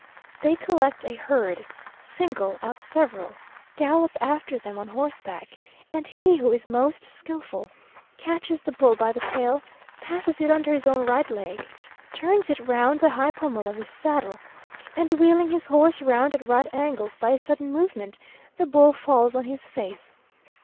They collect a herd, single out several, gallop after them on horseback; and he who is most skilful, catches the bull by the tail, passes it under his own right leg, turns it round the high pummel of his saddle, and wheeling his horse round at right angles by a sudden movement, the bull falls on his face.